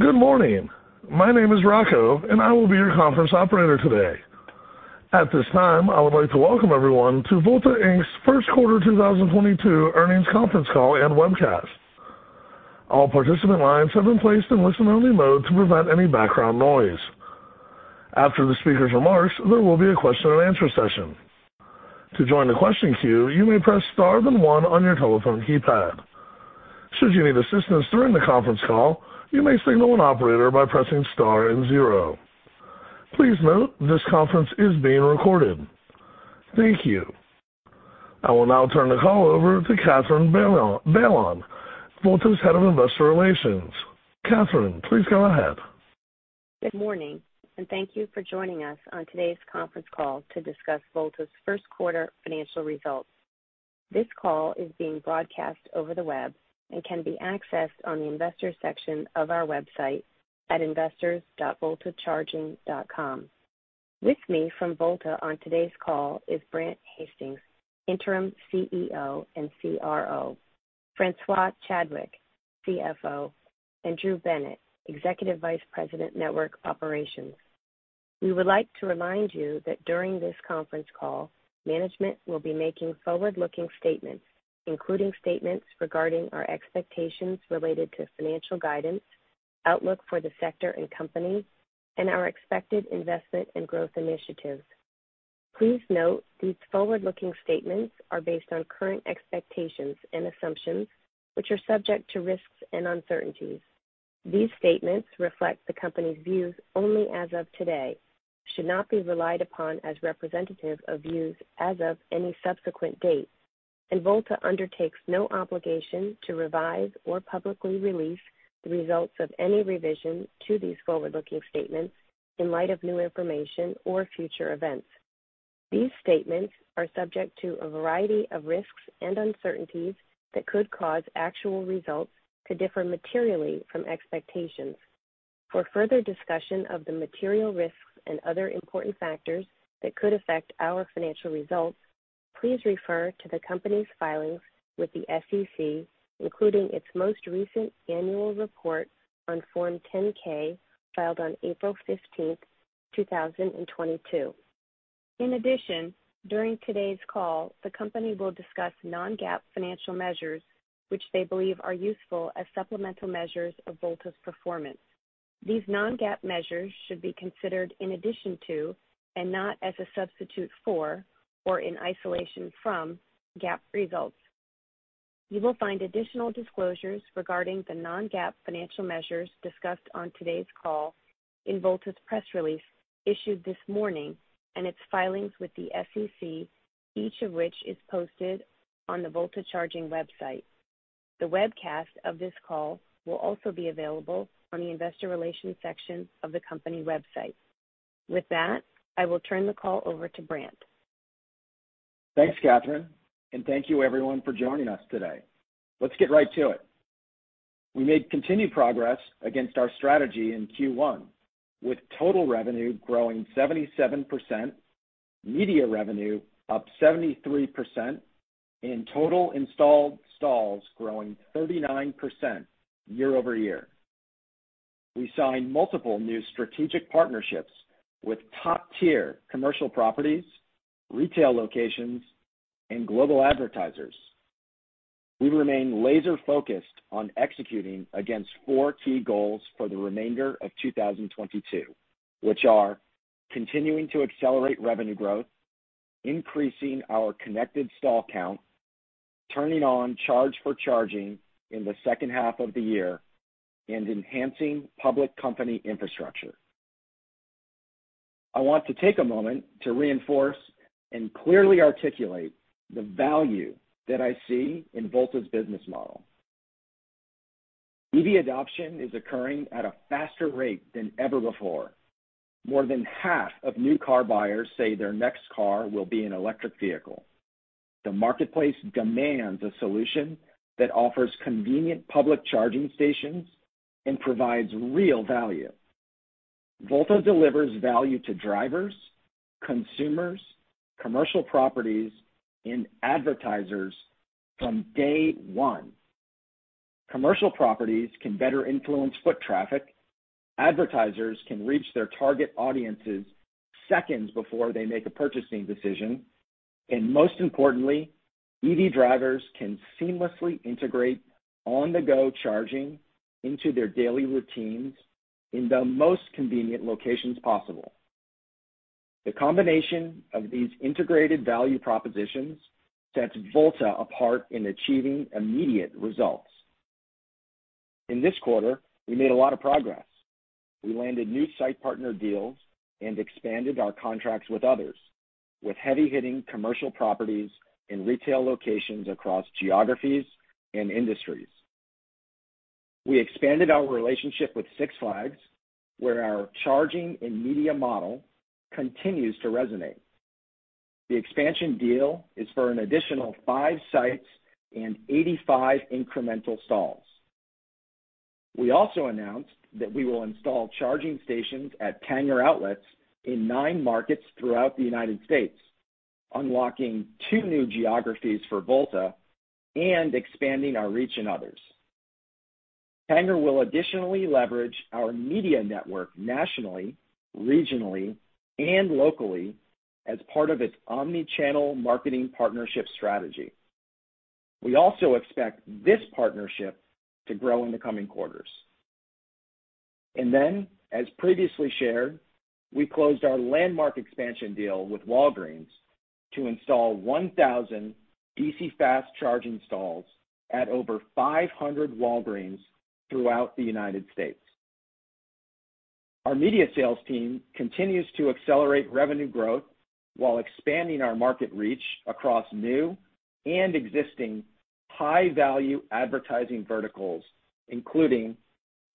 Good morning. My name is Rocco, and I will be your conference operator today. At this time, I would like to welcome everyone to Volta Inc.'s first quarter 2022 earnings conference call and webcast. All participant lines have been placed in listen-only mode to prevent any background noise. After the speaker's remarks, there will be a question-and-answer session. To join the question queue, you may press Star then one on your telephone keypad. Should you need assistance during the conference call, you may signal an operator by pressing Star and zero. Please note this conference is being recorded. Thank you. I will now turn the call over to Katherine Bailon, Volta's Head of Investor Relations. Katherine, please go ahead. Good morning, and thank you for joining us on today's conference call to discuss Volta's first quarter financial results. This call is being broadcast over the web and can be accessed on the investor section of our website at investors.voltacharging.com. With me from Volta on today's call is Brandt Hastings, Interim CEO and CRO, Francois Chadwick, CFO, and Drew Bennett, Executive Vice President, Network Operations. We would like to remind you that during this conference call, management will be making forward-looking statements, including statements regarding our expectations related to financial guidance, outlook for the sector and company, and our expected investment and growth initiatives. Please note these forward-looking statements are based on current expectations and assumptions, which are subject to risks and uncertainties. These statements reflect the company's views only as of today, should not be relied upon as representative of views as of any subsequent date, and Volta undertakes no obligation to revise or publicly release the results of any revision to these forward-looking statements in light of new information or future events. These statements are subject to a variety of risks and uncertainties that could cause actual results to differ materially from expectations. For further discussion of the material risks and other important factors that could affect our financial results, please refer to the company's filings with the SEC, including its most recent annual report on Form 10-K filed on April 15th, 2022. In addition, during today's call, the company will discuss non-GAAP financial measures which they believe are useful as supplemental measures of Volta's performance. These non-GAAP measures should be considered in addition to, and not as a substitute for, or in isolation from, GAAP results. You will find additional disclosures regarding the non-GAAP financial measures discussed on today's call in Volta's press release issued this morning and its filings with the SEC, each of which is posted on the Volta Charging website. The webcast of this call will also be available on the investor relations section of the company website. With that, I will turn the call over to Brandt. Thanks, Katherine, and thank you everyone for joining us today. Let's get right to it. We made continued progress against our strategy in Q1, with total revenue growing 77%, media revenue up 73%, and total installed stalls growing 39% year-over-year. We signed multiple new strategic partnerships with top-tier commercial properties, retail locations, and global advertisers. We remain laser-focused on executing against four key goals for the remainder of 2022, which are continuing to accelerate revenue growth, increasing our connected stall count, turning on charge for charging in the second half of the year, and enhancing public company infrastructure. I want to take a moment to reinforce and clearly articulate the value that I see in Volta's business model. EV adoption is occurring at a faster rate than ever before. More than half of new car buyers say their next car will be an electric vehicle. The marketplace demands a solution that offers convenient public charging stations and provides real value. Volta delivers value to drivers, consumers, commercial properties, and advertisers from day one. Commercial properties can better influence foot traffic. Advertisers can reach their target audiences seconds before they make a purchasing decision. Most importantly, EV drivers can seamlessly integrate on-the-go charging into their daily routines in the most convenient locations possible. The combination of these integrated value propositions sets Volta apart in achieving immediate results. In this quarter, we made a lot of progress. We landed new site partner deals and expanded our contracts with others, with heavy-hitting commercial properties and retail locations across geographies and industries. We expanded our relationship with Six Flags, where our charging and media model continues to resonate. The expansion deal is for an additional 5 sites and 85 incremental stalls. We also announced that we will install charging stations at Tanger Outlets in 9 markets throughout the United States. Unlocking 2 new geographies for Volta and expanding our reach in others. Tanger will additionally leverage our media network nationally, regionally, and locally as part of its omni-channel marketing partnership strategy. We also expect this partnership to grow in the coming quarters. As previously shared, we closed our landmark expansion deal with Walgreens to install 1,000 DC fast charging stalls at over 500 Walgreens throughout the United States. Our media sales team continues to accelerate revenue growth while expanding our market reach across new and existing high-value advertising verticals, including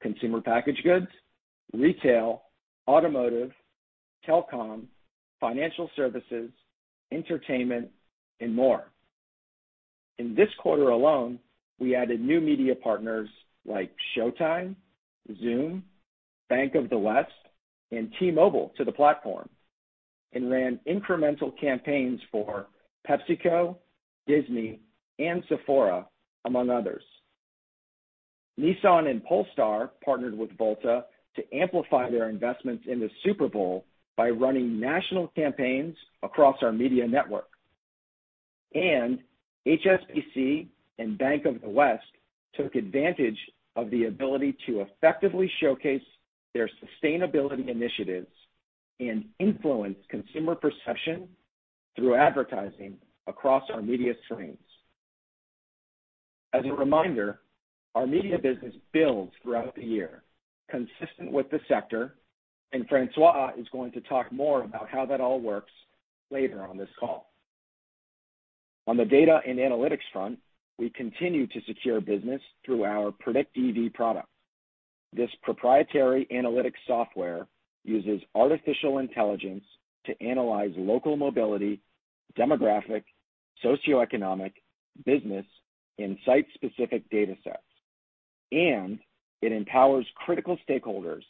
consumer packaged goods, retail, automotive, telecom, financial services, entertainment, and more. In this quarter alone, we added new media partners like Showtime, Zoom, Bank of the West, and T-Mobile to the platform, and ran incremental campaigns for PepsiCo, Disney, and Sephora, among others. Nissan and Polestar partnered with Volta to amplify their investments in the Super Bowl by running national campaigns across our media network. HSBC and Bank of the West took advantage of the ability to effectively showcase their sustainability initiatives and influence consumer perception through advertising across our media screens. As a reminder, our media business builds throughout the year, consistent with the sector, and Francois is going to talk more about how that all works later on this call. On the data and analytics front, we continue to secure business through our PredictEV product. This proprietary analytics software uses artificial intelligence to analyze local mobility, demographic, socioeconomic, business, and site-specific data sets. It empowers critical stakeholders,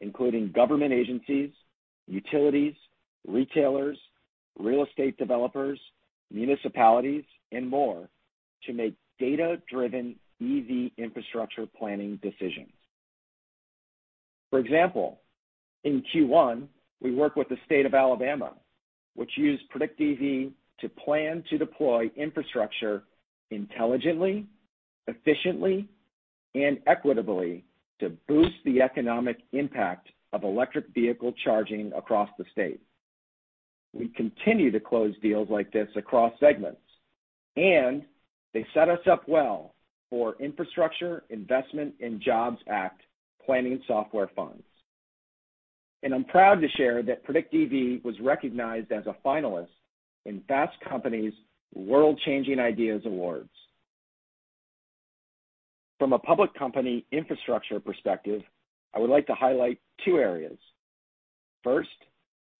including government agencies, utilities, retailers, real estate developers, municipalities, and more to make data-driven EV infrastructure planning decisions. For example, in Q1, we worked with the state of Alabama, which used PredictEV to plan to deploy infrastructure intelligently, efficiently, and equitably to boost the economic impact of electric vehicle charging across the state. We continue to close deals like this across segments, and they set us up well for Infrastructure Investment and Jobs Act planning software funds. I'm proud to share that PredictEV was recognized as a finalist in Fast Company's World Changing Ideas Awards. From a public company infrastructure perspective, I would like to highlight two areas. First,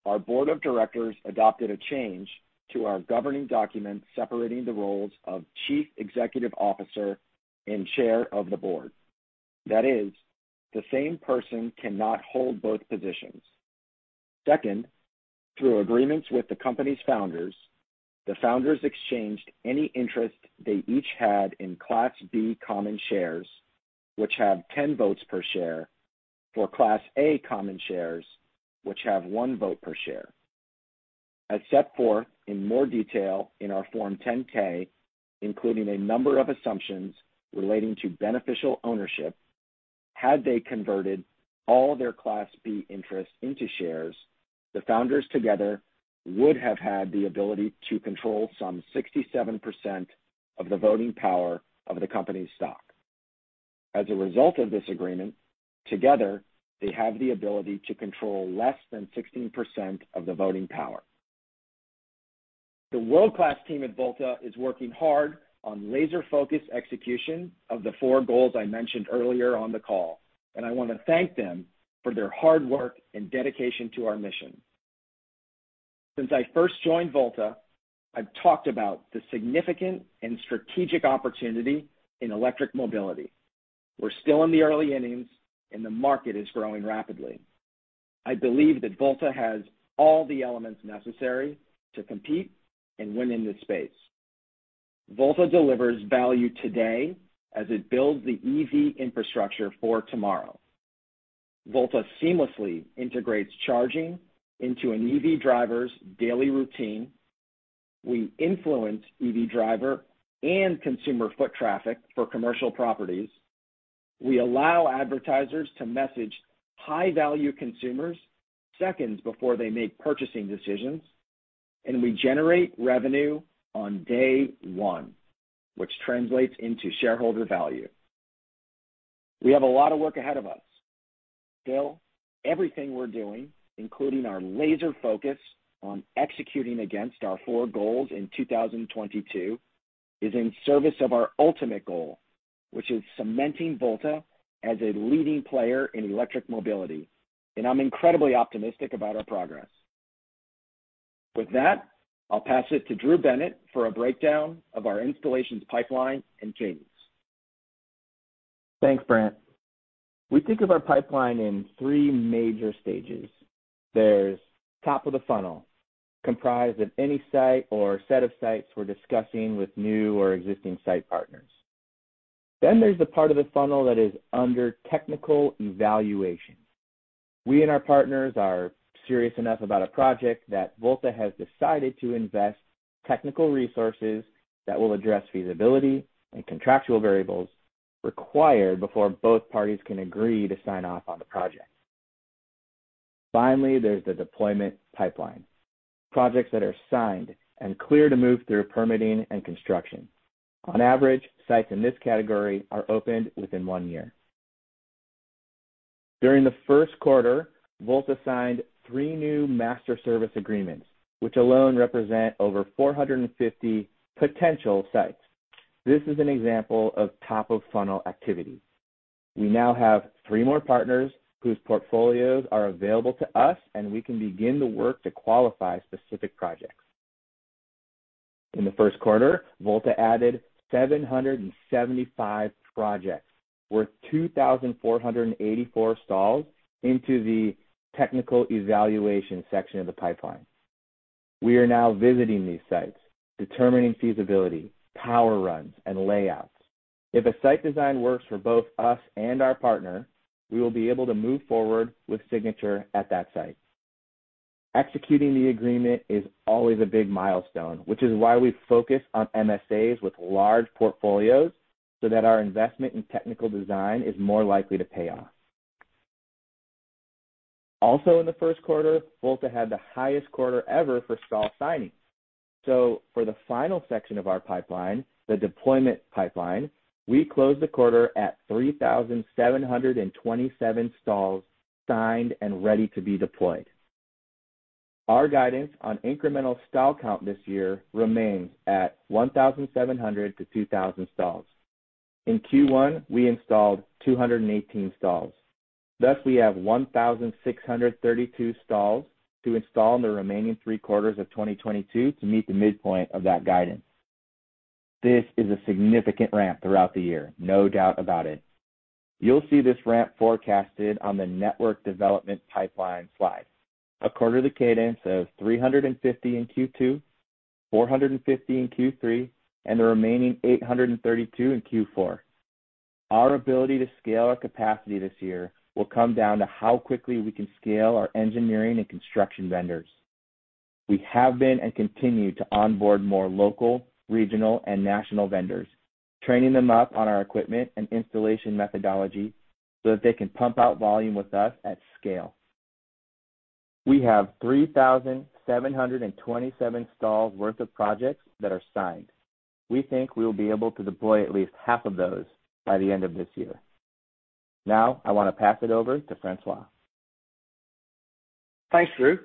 our board of directors adopted a change to our governing document separating the roles of chief executive officer and chair of the board. That is, the same person cannot hold both positions. Second, through agreements with the company's founders, the founders exchanged any interest they each had in Class B common shares, which have 10 votes per share, for Class A common shares, which have 1 vote per share. As set forth in more detail in our Form 10-K, including a number of assumptions relating to beneficial ownership, had they converted all their Class B interests into shares, the founders together would have had the ability to control some 67% of the voting power of the company's stock. As a result of this agreement, together, they have the ability to control less than 16% of the voting power. The world-class team at Volta is working hard on laser-focused execution of the four goals I mentioned earlier on the call, and I want to thank them for their hard work and dedication to our mission. Since I first joined Volta, I've talked about the significant and strategic opportunity in electric mobility. We're still in the early innings, and the market is growing rapidly. I believe that Volta has all the elements necessary to compete and win in this space. Volta delivers value today as it builds the EV infrastructure for tomorrow. Volta seamlessly integrates charging into an EV driver's daily routine. We influence EV driver and consumer foot traffic for commercial properties. We allow advertisers to message high-value consumers seconds before they make purchasing decisions, and we generate revenue on day one, which translates into shareholder value. We have a lot of work ahead of us. Still, everything we're doing, including our laser focus on executing against our four goals in 2022, is in service of our ultimate goal, which is cementing Volta as a leading player in electric mobility. I'm incredibly optimistic about our progress. With that, I'll pass it to Drew Bennett for a breakdown of our installations pipeline and changes. Thanks, Brandt. We think of our pipeline in three major stages. There's top of the funnel, comprised of any site or set of sites we're discussing with new or existing site partners. Then there's the part of the funnel that is under technical evaluation. We and our partners are serious enough about a project that Volta has decided to invest technical resources that will address feasibility and contractual variables required before both parties can agree to sign off on the project. Finally, there's the deployment pipeline. Projects that are signed and clear to move through permitting and construction. On average, sites in this category are opened within one year. During the first quarter, Volta signed three new master service agreements, which alone represent over 450 potential sites. This is an example of top of funnel activity. We now have three more partners whose portfolios are available to us, and we can begin the work to qualify specific projects. In the first quarter, Volta added 775 projects worth 2,484 stalls into the technical evaluation section of the pipeline. We are now visiting these sites, determining feasibility, power runs, and layouts. If a site design works for both us and our partner, we will be able to move forward with signature at that site. Executing the agreement is always a big milestone, which is why we focus on MSAs with large portfolios so that our investment in technical design is more likely to pay off. Also in the first quarter, Volta had the highest quarter ever for stall signing. For the final section of our pipeline, the deployment pipeline, we closed the quarter at 3,727 stalls signed and ready to be deployed. Our guidance on incremental stall count this year remains at 1,700-2,000 stalls. In Q1, we installed 218 stalls. Thus, we have 1,632 stalls to install in the remaining three quarters of 2022 to meet the midpoint of that guidance. This is a significant ramp throughout the year, no doubt about it. You'll see this ramp forecasted on the network development pipeline slide. According to the cadence of 350 in Q2, 450 in Q3, and the remaining 832 in Q4. Our ability to scale our capacity this year will come down to how quickly we can scale our engineering and construction vendors. We have been and continue to onboard more local, regional, and national vendors, training them up on our equipment and installation methodology so that they can pump out volume with us at scale. We have 3,727 stalls worth of projects that are signed. We think we'll be able to deploy at least half of those by the end of this year. Now I want to pass it over to Francois. Thanks, Drew.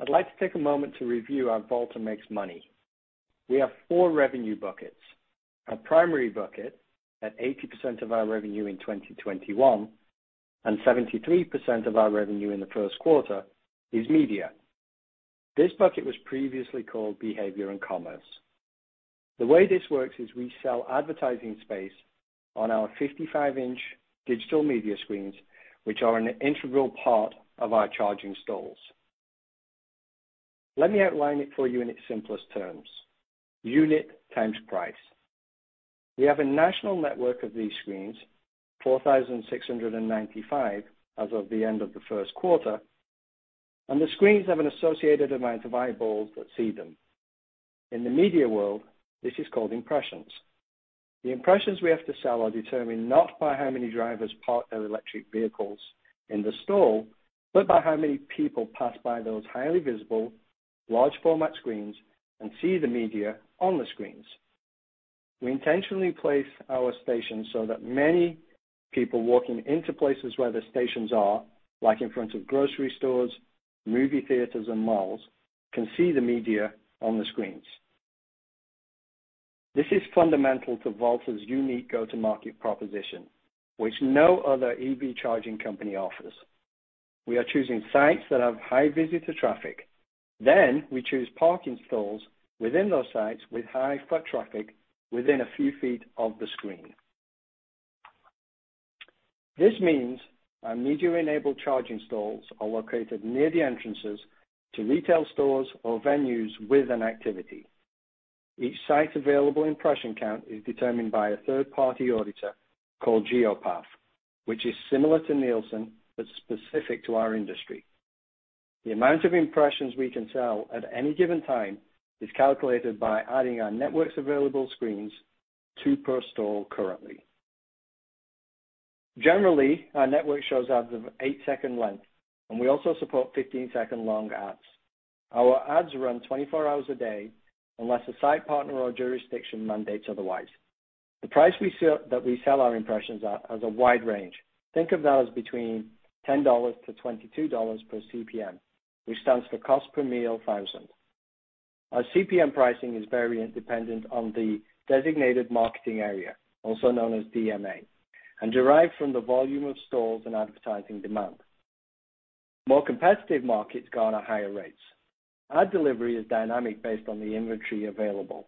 I'd like to take a moment to review how Volta makes money. We have four revenue buckets. Our primary bucket, at 80% of our revenue in 2021 and 73% of our revenue in the first quarter is Media. This bucket was previously called Behavior and Commerce. The way this works is we sell advertising space on our 55-inch digital media screens, which are an integral part of our charging stalls. Let me outline it for you in its simplest terms. Unit times price. We have a national network of these screens, 4,695 as of the end of the first quarter, and the screens have an associated amount of eyeballs that see them. In the media world, this is called impressions. The impressions we have to sell are determined not by how many drivers park their electric vehicles in the stall, but by how many people pass by those highly visible, large format screens and see the media on the screens. We intentionally place our stations so that many people walking into places where the stations are, like in front of grocery stores, movie theaters, and malls, can see the media on the screens. This is fundamental to Volta's unique go-to-market proposition, which no other EV charging company offers. We are choosing sites that have high visitor traffic. We choose parking stalls within those sites with high foot traffic within a few feet of the screen. This means our media-enabled charging stalls are located near the entrances to retail stores or venues with an activity. Each site's available impression count is determined by a third-party auditor called Geopath, which is similar to Nielsen, but specific to our industry. The amount of impressions we can sell at any given time is calculated by adding our network's available screens, 2 per stall currently. Generally, our network shows ads of 8-second length, and we also support 15-second long ads. Our ads run 24 hours a day unless a site partner or jurisdiction mandates otherwise. The price that we sell our impressions at has a wide range. Think of that as between $10-$22 per CPM, which stands for cost per mille thousand. Our CPM pricing varies dependent on the designated marketing area, also known as DMA, and derived from the volume of stalls and advertising demand. More competitive markets garner higher rates. Our delivery is dynamic based on the inventory available.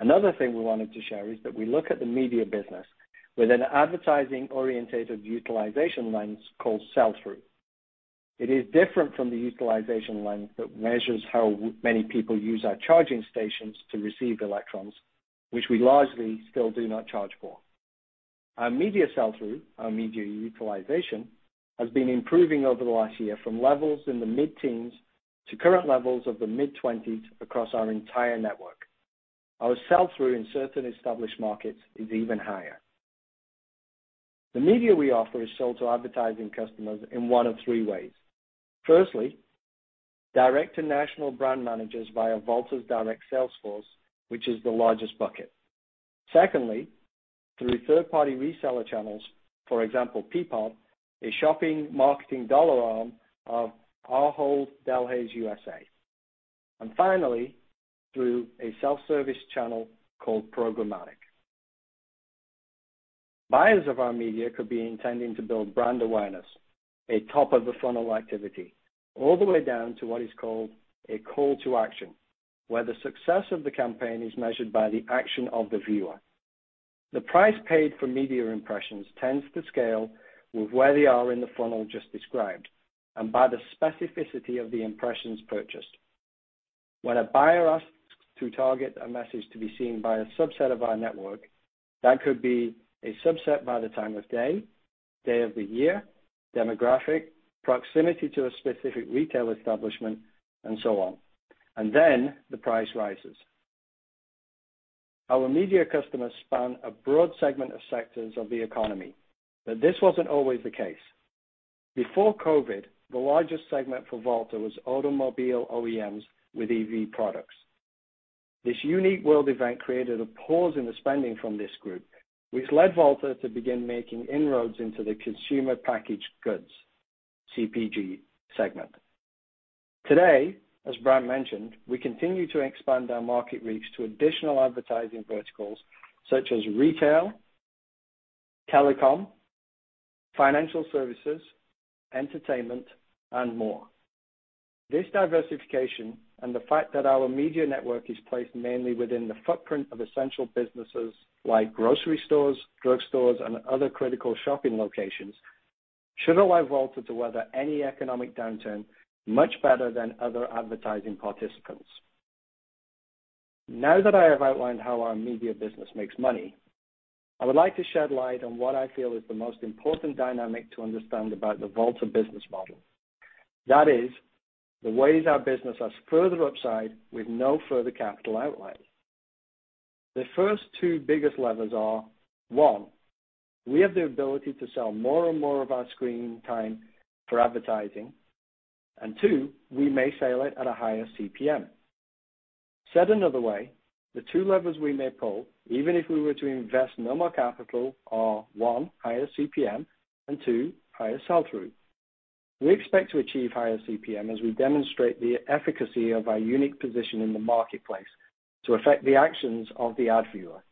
Another thing we wanted to share is that we look at the media business with an advertising-oriented utilization lens called sell-through. It is different from the utilization lens that measures how many people use our charging stations to receive electrons, which we largely still do not charge for. Our media sell-through, our media utilization, has been improving over the last year from levels in the mid-teens to current levels of the mid-twenties across our entire network. Our sell-through in certain established markets is even higher. The media we offer is sold to advertising customers in one of three ways. Firstly, direct to national brand managers via Volta's direct sales force, which is the largest bucket. Secondly, through third-party reseller channels, for example, Peapod, a shopping, marketing digital arm of Ahold Delhaize USA. Finally, through a self-service channel called Programmatic. Buyers of our media could be intending to build brand awareness, a top of the funnel activity, all the way down to what is called a call to action, where the success of the campaign is measured by the action of the viewer. The price paid for media impressions tends to scale with where they are in the funnel just described and by the specificity of the impressions purchased. When a buyer asks to target a message to be seen by a subset of our network, that could be a subset by the time of day of the year, demographic, proximity to a specific retail establishment, and so on. The price rises. Our media customers span a broad segment of sectors of the economy, but this wasn't always the case. Before COVID, the largest segment for Volta was automobile OEMs with EV products. This unique world event created a pause in the spending from this group, which led Volta to begin making inroads into the consumer packaged goods, CPG segment. Today, as Brandt mentioned, we continue to expand our market reach to additional advertising verticals, such as retail, telecom, financial services, entertainment, and more. This diversification and the fact that our media network is placed mainly within the footprint of essential businesses like grocery stores, drug stores, and other critical shopping locations, should allow Volta to weather any economic downturn much better than other advertising participants. Now that I have outlined how our media business makes money, I would like to shed light on what I feel is the most important dynamic to understand about the Volta business model. That is the ways our business has further upside with no further capital outlay. The first two biggest levers are, one, we have the ability to sell more and more of our screen time for advertising. Two, we may sell it at a higher CPM. Said another way, the two levers we may pull, even if we were to invest no more capital are, one, higher CPM, and two, higher sell-through. We expect to achieve higher CPM as we demonstrate the efficacy of our unique position in the marketplace to affect the actions of the ad viewer.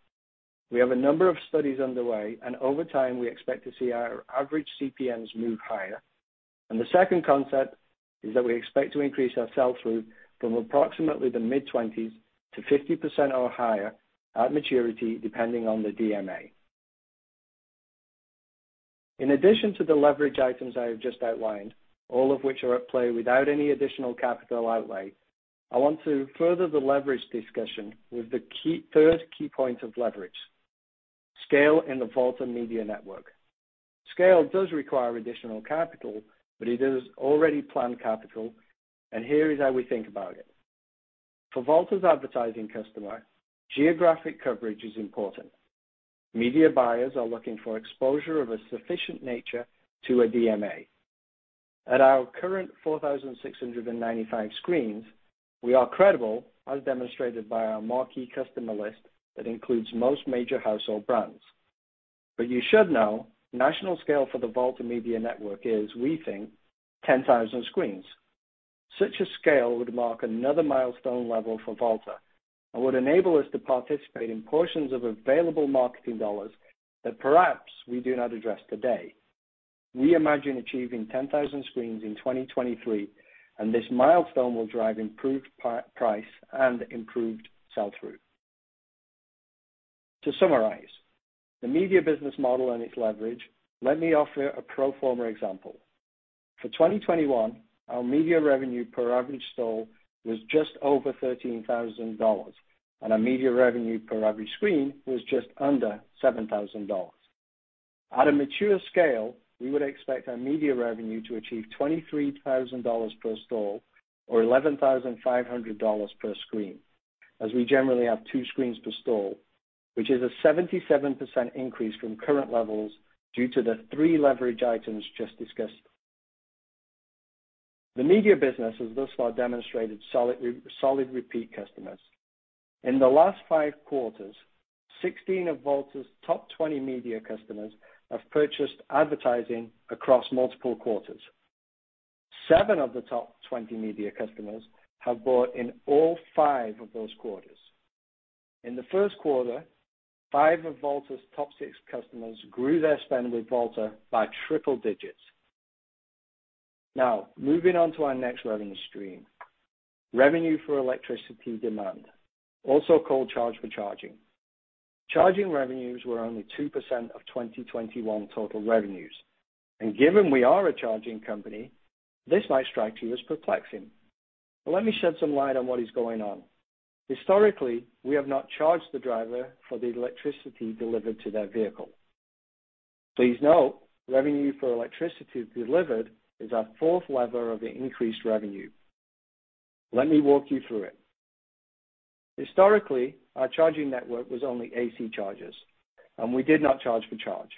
We have a number of studies underway, and over time, we expect to see our average CPMs move higher. The second concept is that we expect to increase our sell-through from approximately the mid-20s to 50% or higher at maturity, depending on the DMA. In addition to the leverage items I have just outlined, all of which are at play without any additional capital outlay, I want to further the leverage discussion with the third key point of leverage, scale in the Volta Media Network. Scale does require additional capital, but it is already planned capital, and here is how we think about it. For Volta's advertising customer, geographic coverage is important. Media buyers are looking for exposure of a sufficient nature to a DMA. At our current 4,695 screens, we are credible, as demonstrated by our marquee customer list that includes most major household brands. You should know, national scale for the Volta Media Network is, we think, 10,000 screens. Such a scale would mark another milestone level for Volta and would enable us to participate in portions of available marketing dollars that perhaps we do not address today. We imagine achieving 10,000 screens in 2023, and this milestone will drive improved price and improved sell-through. To summarize, the media business model and its leverage, let me offer a pro forma example. For 2021, our media revenue per average store was just over $13,000, and our media revenue per average screen was just under $7,000. At a mature scale, we would expect our media revenue to achieve $23,000 per store or $11,500 per screen, as we generally have two screens per store, which is a 77% increase from current levels due to the three leverage items just discussed. The media business has thus far demonstrated solid repeat customers. In the last five quarters, 16 of Volta's top 20 media customers have purchased advertising across multiple quarters. Seven of the top 20 media customers have bought in all five of those quarters. In the first quarter, five of Volta's top six customers grew their spend with Volta by triple digits. Now, moving on to our next revenue stream, revenue for electricity demand, also called charge for charging. Charging revenues were only 2% of 2021 total revenues. Given we are a charging company, this might strike you as perplexing. Let me shed some light on what is going on. Historically, we have not charged the driver for the electricity delivered to their vehicle. Please note, revenue for electricity delivered is our fourth lever of increased revenue. Let me walk you through it. Historically, our charging network was only AC chargers, and we did not charge for charging.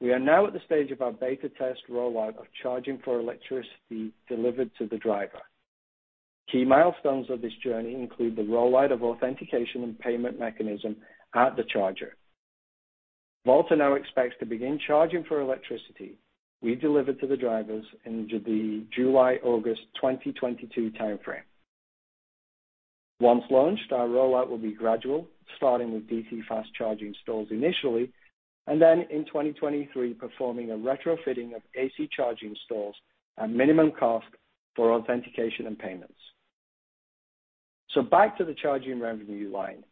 We are now at the stage of our beta test rollout of charging for electricity delivered to the driver. Key milestones of this journey include the rollout of authentication and payment mechanism at the charger. Volta now expects to begin charging for electricity we delivered to the drivers in the July-August 2022 timeframe. Once launched, our rollout will be gradual, starting with DC fast charging stalls initially, and then in 2023, performing a retrofitting of AC charging stalls at minimum cost for authentication and payments. Back to the charging revenue line.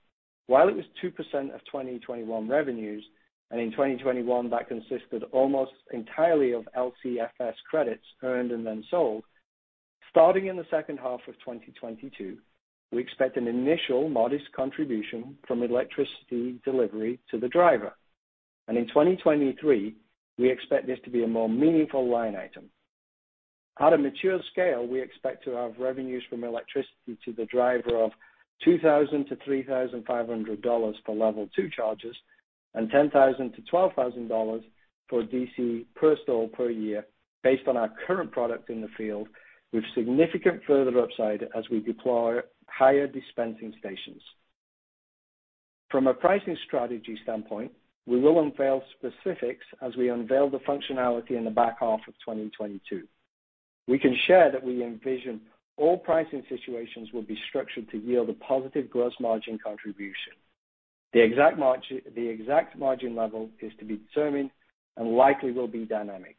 While it was 2% of 2021 revenues, and in 2021 that consisted almost entirely of LCFS credits earned and then sold. Starting in the second half of 2022, we expect an initial modest contribution from electricity delivery to the driver. In 2023, we expect this to be a more meaningful line item. At a mature scale, we expect to have revenues from electricity to the driver of $2,000-$3,500 for level two charges and $10,000-$12,000 for DC per stall per year based on our current product in the field, with significant further upside as we deploy higher dispensing stations. From a pricing strategy standpoint, we will unveil specifics as we unveil the functionality in the back half of 2022. We can share that we envision all pricing situations will be structured to yield a positive gross margin contribution. The exact margin level is to be determined and likely will be dynamic.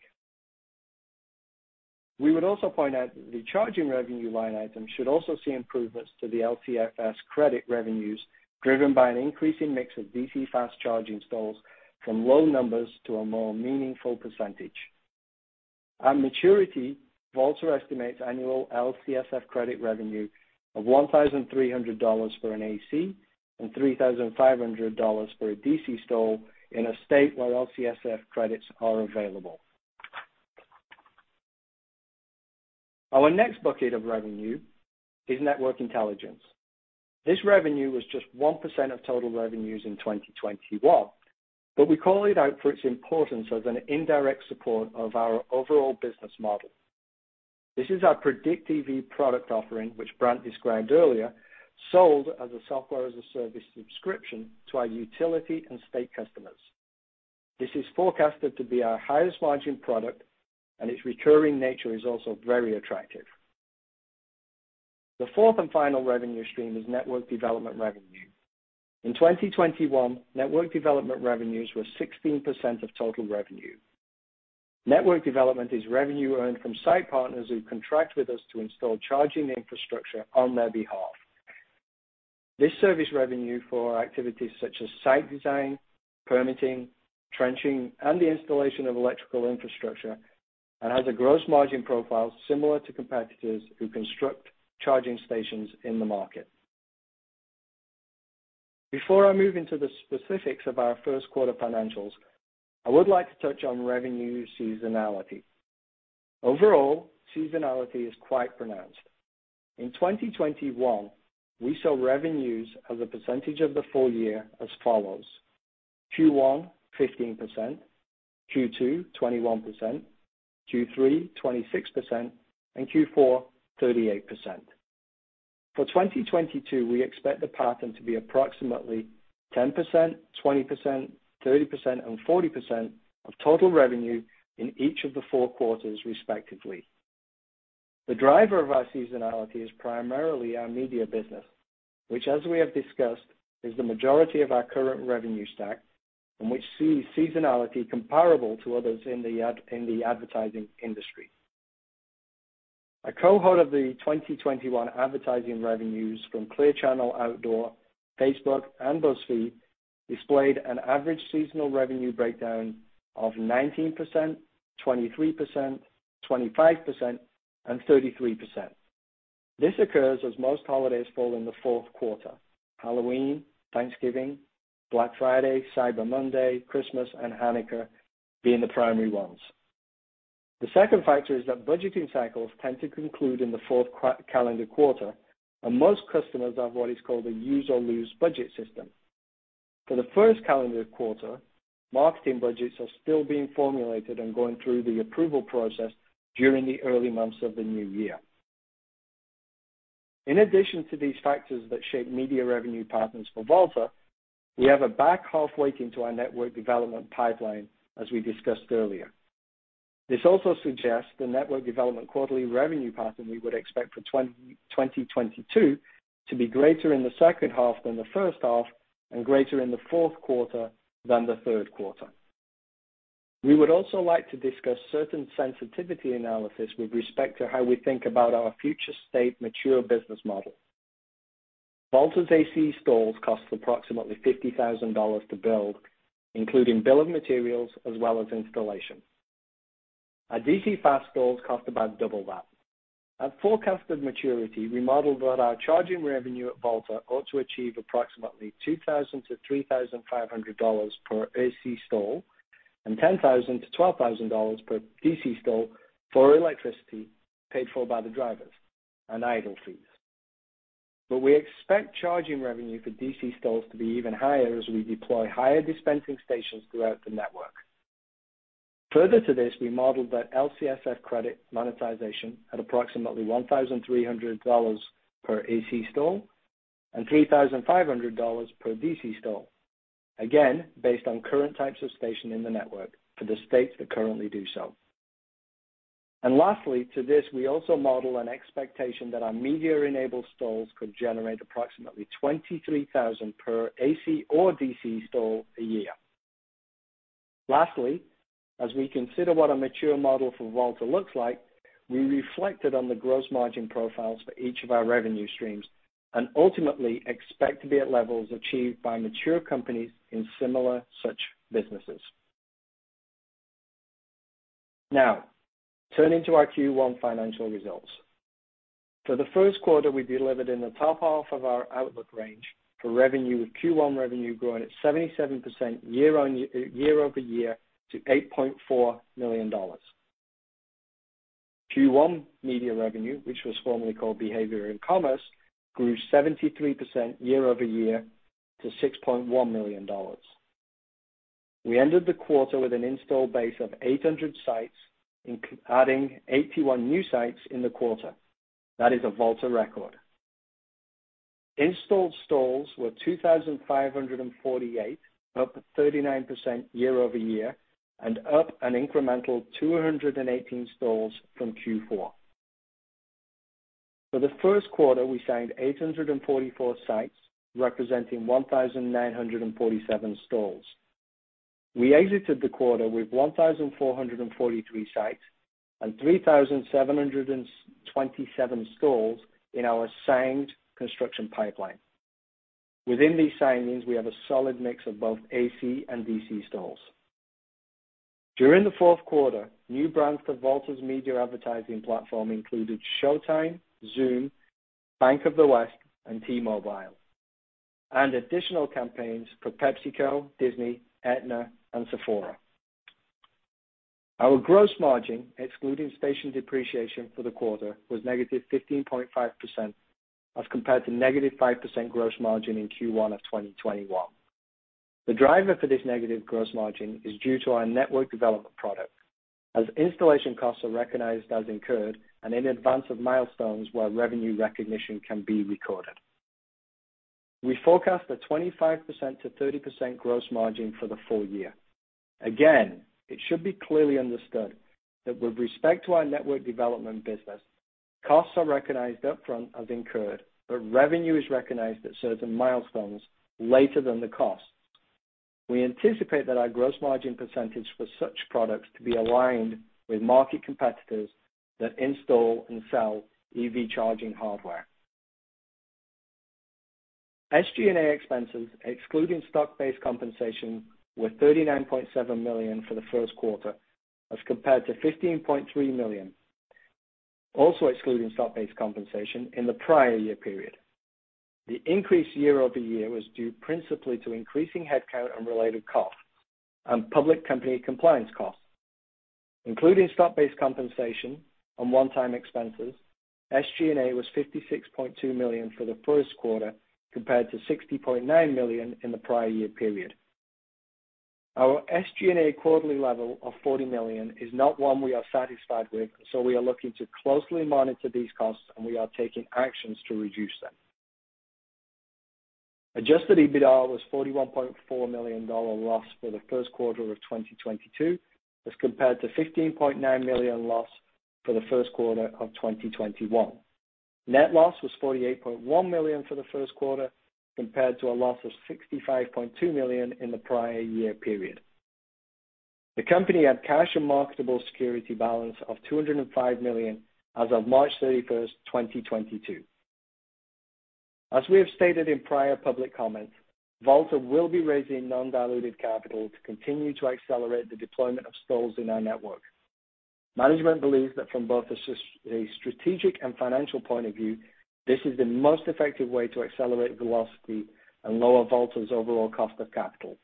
We would also point out that the charging revenue line item should also see improvements to the LCFS credit revenues driven by an increasing mix of DC fast charging stalls from low numbers to a more meaningful percentage. At maturity, Volta estimates annual LCFS credit revenue of $1,300 for an AC and $3,500 for a DC stall in a state where LCFS credits are available. Our next bucket of revenue is network intelligence. This revenue was just 1% of total revenues in 2021, but we call it out for its importance as an indirect support of our overall business model. This is our PredictEV product offering, which Brandt described earlier, sold as a software as a service subscription to our utility and state customers. This is forecasted to be our highest margin product, and its recurring nature is also very attractive. The fourth and final revenue stream is network development revenue. In 2021, network development revenues were 16% of total revenue. Network development is revenue earned from site partners who contract with us to install charging infrastructure on their behalf. This service revenue for activities such as site design, permitting, trenching, and the installation of electrical infrastructure, and has a gross margin profile similar to competitors who construct charging stations in the market. Before I move into the specifics of our first quarter financials, I would like to touch on revenue seasonality. Overall, seasonality is quite pronounced. In 2021, we saw revenues as a percentage of the full year as follows. Q1, 15%. Q2, 21%. Q3, 26%. Q4, 38%. For 2022, we expect the pattern to be approximately 10%, 20%, 30%, and 40% of total revenue in each of the four quarters, respectively. The driver of our seasonality is primarily our media business, which as we have discussed, is the majority of our current revenue stack, and we see seasonality comparable to others in the advertising industry. A cohort of the 2021 advertising revenues from Clear Channel Outdoor, Facebook, and BuzzFeed displayed an average seasonal revenue breakdown of 19%, 23%, 25%, and 33%. This occurs as most holidays fall in the fourth quarter. Halloween, Thanksgiving, Black Friday, Cyber Monday, Christmas, and Hanukkah being the primary ones. The second factor is that budgeting cycles tend to conclude in the fourth calendar quarter, and most customers have what is called a use or lose budget system. For the first calendar quarter, marketing budgets are still being formulated and going through the approval process during the early months of the new year. In addition to these factors that shape media revenue patterns for Volta, we have a back half weighting to our network development pipeline, as we discussed earlier. This also suggests the network development quarterly revenue pattern we would expect for 2022 to be greater in the second half than the first half and greater in the fourth quarter than the third quarter. We would also like to discuss certain sensitivity analysis with respect to how we think about our future state mature business model. Volta's AC stalls cost approximately $50,000 to build, including bill of materials as well as installation. Our DC fast stalls cost about double that. At forecasted maturity, we modeled that our charging revenue at Volta ought to achieve approximately $2,000-$3,500 per AC stall and $10,000-$12,000 per DC stall for electricity paid for by the drivers and idle fees. We expect charging revenue for DC stalls to be even higher as we deploy higher dispensing stations throughout the network. Further to this, we modeled that LCFS credit monetization at approximately $1,300 per AC stall and $3,500 per DC stall. Again, based on current types of station in the network for the states that currently do so. Lastly, to this, we also model an expectation that our media-enabled stalls could generate approximately $23,000 per AC or DC stall a year. Lastly, as we consider what a mature model for Volta looks like, we reflected on the gross margin profiles for each of our revenue streams and ultimately expect to be at levels achieved by mature companies in similar such businesses. Now, turning to our Q1 financial results. For the first quarter, we delivered in the top half of our outlook range for revenue, with Q1 revenue growing at 77% year-over-year to $8.4 million. Q1 media revenue, which was formerly called Behavior and Commerce, grew 73% year-over-year to $6.1 million. We ended the quarter with an install base of 800 sites adding 81 new sites in the quarter. That is a Volta record. Installed stalls were 2,548, up 39% year-over-year and up an incremental 218 stalls from Q4. For the first quarter, we signed 844 sites representing 1,947 stalls. We exited the quarter with 1,443 sites and 3,727 stalls in our signed construction pipeline. Within these signings, we have a solid mix of both AC and DC stalls. During the fourth quarter, new brands for Volta's media advertising platform included Showtime, Zoom, Bank of the West, and T-Mobile, and additional campaigns for PepsiCo, Disney, Aetna, and Sephora. Our gross margin, excluding station depreciation for the quarter, was negative 15.5% as compared to negative 5% gross margin in Q1 of 2021. The driver for this negative gross margin is due to our network development product as installation costs are recognized as incurred and in advance of milestones where revenue recognition can be recorded. We forecast a 25%-30% gross margin for the full year. Again, it should be clearly understood that with respect to our network development business, costs are recognized upfront as incurred, but revenue is recognized at certain milestones later than the cost. We anticipate that our gross margin percentage for such products to be aligned with market competitors that install and sell EV charging hardware. SG&A expenses, excluding stock-based compensation, were $39.7 million for the first quarter as compared to $15.3 million, also excluding stock-based compensation in the prior year period. The increase year-over-year was due principally to increasing headcount on related costs and public company compliance costs. Including stock-based compensation on one-time expenses, SG&A was $56.2 million for the first quarter, compared to $60.9 million in the prior year period. Our SG&A quarterly level of $40 million is not one we are satisfied with, so we are looking to closely monitor these costs, and we are taking actions to reduce them. Adjusted EBITDA was a $41.4 million loss for the first quarter of 2022, as compared to a $15.9 million loss for the first quarter of 2021. Net loss was $48.1 million for the first quarter, compared to a loss of $65.2 million in the prior year period. The company had cash and marketable securities balance of $205 million as of March 31, 2022. As we have stated in prior public comments, Volta will be raising non-diluted capital to continue to accelerate the deployment of stalls in our network. Management believes that from both a strategic and financial point of view, this is the most effective way to accelerate velocity and lower Volta's overall cost of capital.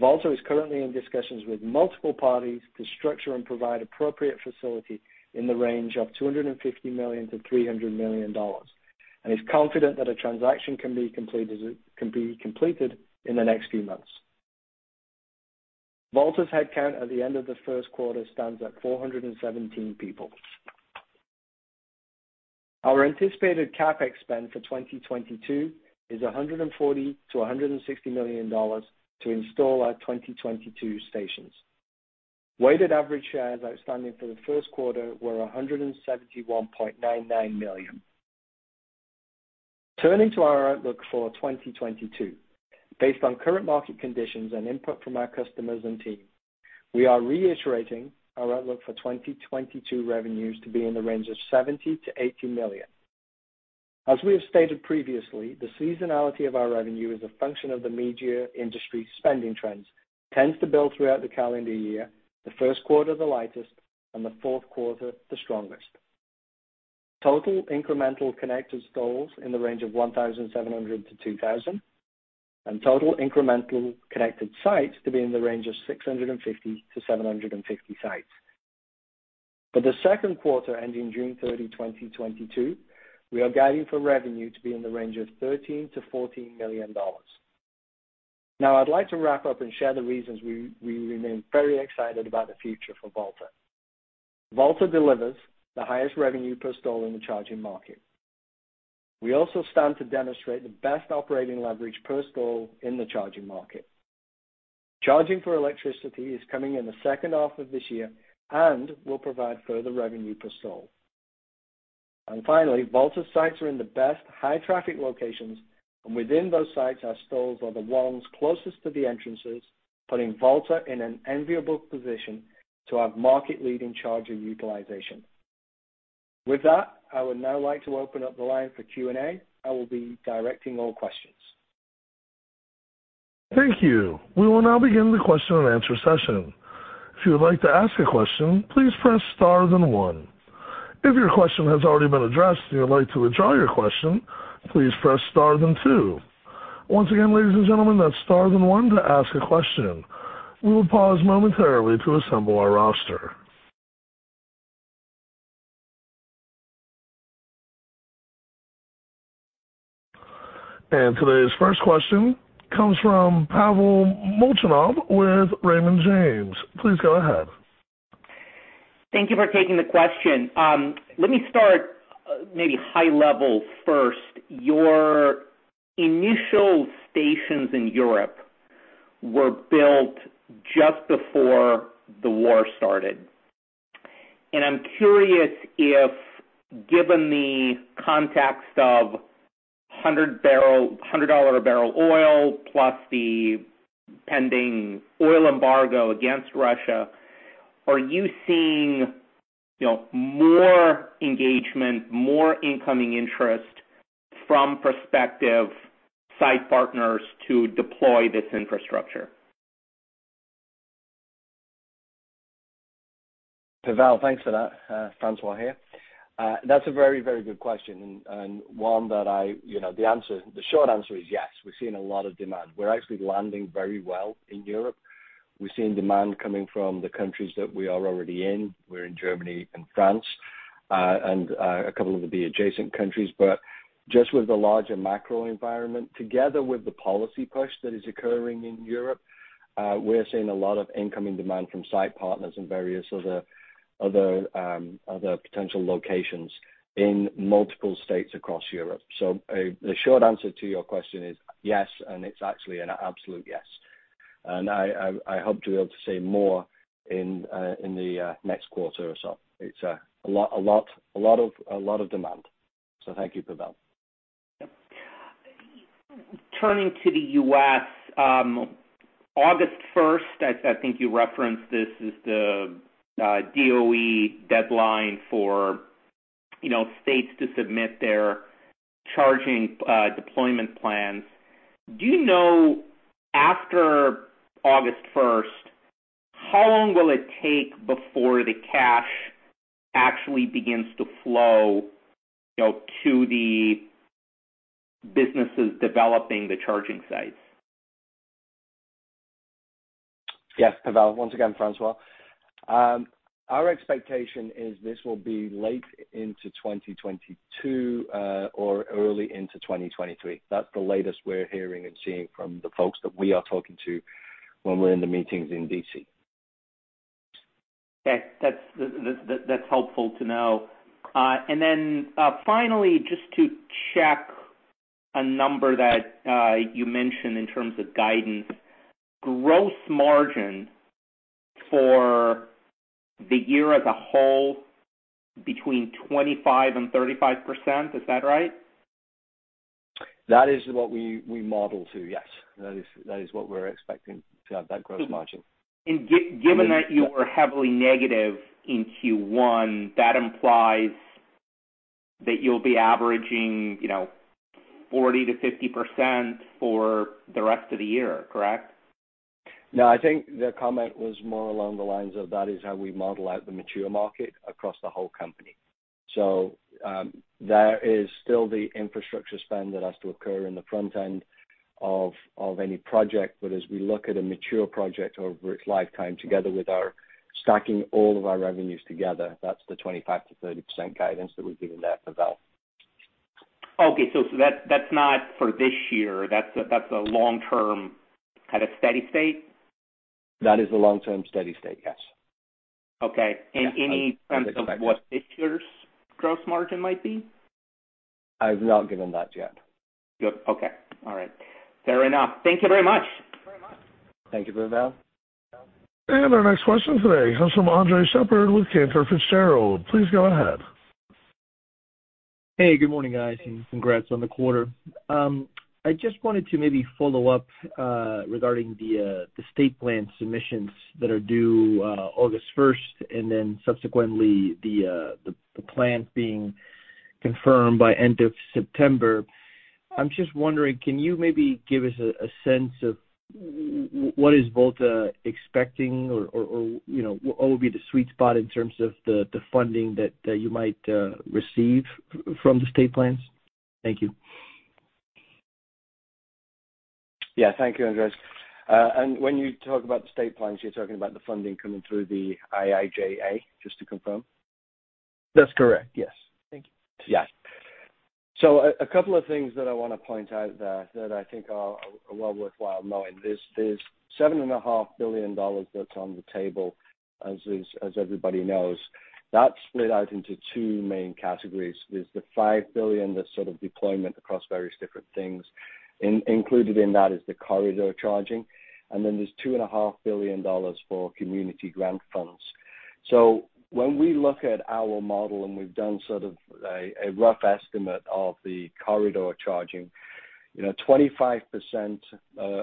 Volta is currently in discussions with multiple parties to structure and provide appropriate facility in the range of $250 million-$300 million and is confident that a transaction can be completed in the next few months. Volta's headcount at the end of the first quarter stands at 417 people. Our anticipated CapEx spend for 2022 is $140 million-$160 million to install our 2022 stations. Weighted average shares outstanding for the first quarter were 171.99 million. Turning to our outlook for 2022. Based on current market conditions and input from our customers and team, we are reiterating our outlook for 2022 revenues to be in the range of $70-$80 million. As we have stated previously, the seasonality of our revenue is a function of the media industry spending trends tend to build throughout the calendar year, the first quarter the lightest and the fourth quarter the strongest. Total incremental connected stalls in the range of 1,700-2,000, and total incremental connected sites to be in the range of 650-750 sites. For the second quarter ending June 30, 2022, we are guiding for revenue to be in the range of $13 million-$14 million. Now, I'd like to wrap up and share the reasons we remain very excited about the future for Volta. Volta delivers the highest revenue per stall in the charging market. We also stand to demonstrate the best operating leverage per stall in the charging market. Charging for electricity is coming in the second half of this year and will provide further revenue per stall. Finally, Volta sites are in the best high traffic locations, and within those sites, our stalls are the ones closest to the entrances, putting Volta in an enviable position to have market-leading charger utilization. With that, I would now like to open up the line for Q&A. I will be directing all questions. Thank you. We will now begin the question and answer session. If you would like to ask a question, please press star then one. If your question has already been addressed and you would like to withdraw your question, please press star then two. Once again, ladies and gentlemen, that's star then one to ask a question. We will pause momentarily to assemble our roster. Today's first question comes from Pavel Molchanov with Raymond James. Please go ahead. Thank you for taking the question. Let me start, maybe high level first. Your initial stations in Europe were built just before the war started. I'm curious if, given the context of $100-a-barrel oil plus the pending oil embargo against Russia, are you seeing, you know, more engagement, more incoming interest from prospective site partners to deploy this infrastructure? Pavel, thanks for that. Francois here. That's a very, very good question and one that I, you know, the answer, the short answer is yes. We're seeing a lot of demand. We're actually landing very well in Europe. We're seeing demand coming from the countries that we are already in. We're in Germany and France, and a couple of the adjacent countries. Just with the larger macro environment, together with the policy push that is occurring in Europe, we're seeing a lot of incoming demand from site partners in various other potential locations in multiple states across Europe. The short answer to your question is yes, and it's actually an absolute yes. I hope to be able to say more in the next quarter or so. It's a lot of demand. Thank you, Pavel. Turning to the U.S., August first, I think you referenced this is the DOE deadline for, you know, states to submit their charging deployment plans. Do you know after August first, how long will it take before the cash actually begins to flow, you know, to the businesses developing the charging sites? Yes, Pavel. Once again, Francois. Our expectation is this will be late into 2022, or early into 2023. That's the latest we're hearing and seeing from the folks that we are talking to when we're in the meetings in D.C. Okay. That's helpful to know. Finally, just to check a number that you mentioned in terms of guidance. Gross margin for the year as a whole between 25% and 35%. Is that right? That is what we model to. Yes. That is what we're expecting to have that gross margin. Given that you are heavily negative in Q1, that implies that you'll be averaging, you know, 40%-50% for the rest of the year, correct? No, I think the comment was more along the lines of that is how we model out the mature market across the whole company. There is still the infrastructure spend that has to occur in the front end of any project. As we look at a mature project over its lifetime together with our stacking all of our revenues together, that's the 25%-30% guidance that we've given there, Pavel. Okay. That that's not for this year. That's a long-term kind of steady state? That is a long-term steady state, yes. Okay. Any sense of what this year's gross margin might be? I've not given that yet. Good. Okay. All right. Fair enough. Thank you very much. Thank you, Pavel. Our next question today comes from Andres Sheppard with Cantor Fitzgerald. Please go ahead. Hey, good morning, guys, and congrats on the quarter. I just wanted to maybe follow up regarding the state plan submissions that are due August 1, and then subsequently the plan being confirmed by end of September. I'm just wondering, can you maybe give us a sense of what is Volta expecting or you know what would be the sweet spot in terms of the funding that you might receive from the state plans? Thank you. Yeah. Thank you, Andres. When you talk about the state plans, you're talking about the funding coming through the IIJA, just to confirm? That's correct, yes. Thank you. Yeah. A couple of things that I wanna point out that I think are well worthwhile knowing. There's $7.5 billion that's on the table, as is, as everybody knows. That's split out into two main categories. There's the $5 billion, that's sort of deployment across various different things. Included in that is the corridor charging. And then there's $2.5 billion for community grant funds. When we look at our model, and we've done sort of a rough estimate of the corridor charging. You know, 25%,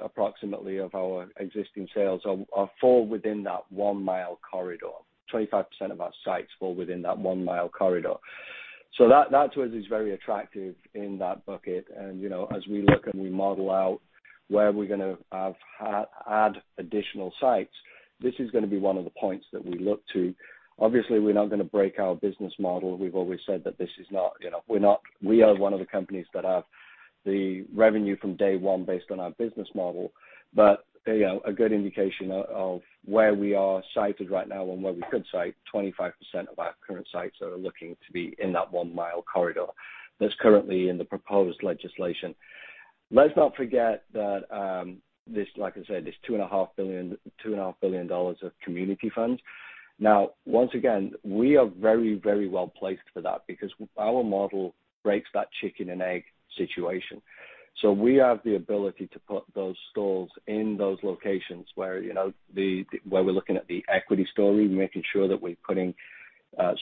approximately, of our existing sales that fall within that one-mile corridor. 25% of our sites fall within that one-mile corridor. That to us is very attractive in that bucket. You know, as we look and we model out where we're gonna have to add additional sites, this is gonna be one of the points that we look to. Obviously, we're not gonna break our business model. We've always said that this is not. You know, we are one of the companies that have the revenue from day one based on our business model. You know, a good indication of where we are sited right now and where we could site, 25% of our current sites are looking to be in that one-mile corridor that's currently in the proposed legislation. Let's not forget that, like I said, this $2.5 billion of community funds. Now, once again, we are very, very well placed for that because our model breaks that chicken and egg situation. We have the ability to put those stalls in those locations where, you know, where we're looking at the equity story, making sure that we're putting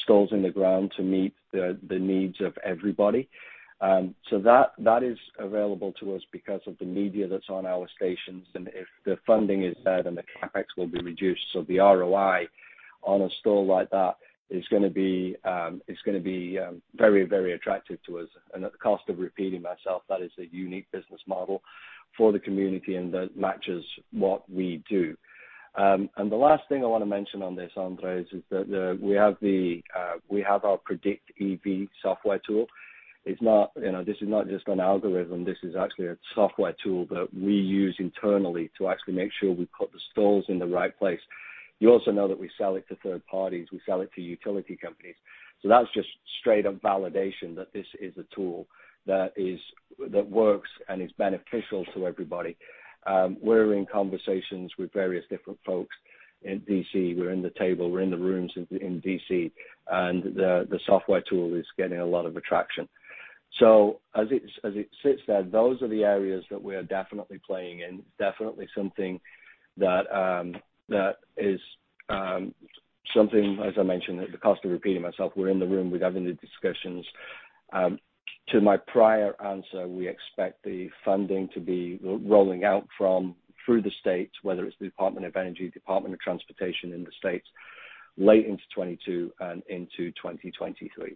stalls in the ground to meet the needs of everybody. That is available to us because of the media that's on our stations. If the funding is there, then the CapEx will be reduced. The ROI on a stall like that is gonna be very, very attractive to us. At the cost of repeating myself, that is a unique business model for the community, and that matches what we do. The last thing I wanna mention on this, Andres, is that we have our PredictEV software tool. It's not. You know, this is not just an algorithm. This is actually a software tool that we use internally to actually make sure we put the stalls in the right place. You also know that we sell it to third parties. We sell it to utility companies. That's just straight-up validation that this is a tool that works and is beneficial to everybody. We're in conversations with various different folks in D.C. We're at the table, we're in the rooms in D.C., and the software tool is getting a lot of attention. As it sits there, those are the areas that we're definitely playing in. It's definitely something that is something, as I mentioned, at the cost of repeating myself, we're in the room. We're having the discussions. To my prior answer, we expect the funding to be rolling out through the states, whether it's the Department of Energy, Department of Transportation in the states, late into 2022 and into 2023.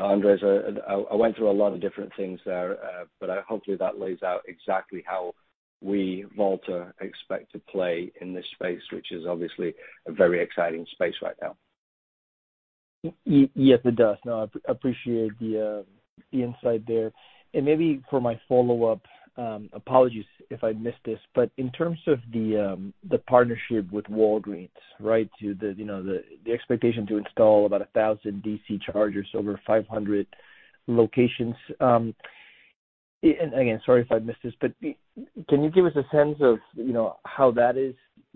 Andres, I went through a lot of different things there, but hopefully that lays out exactly how we, Volta, expect to play in this space, which is obviously a very exciting space right now. Yes, it does. No, I appreciate the insight there. Maybe for my follow-up, apologies if I missed this, but in terms of the partnership with Walgreens, right? To the, you know, the expectation to install about 1,000 DC chargers over 500 locations. And again, sorry if I missed this, but can you give us a sense of, you know, how that is